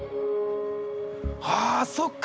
あそっか。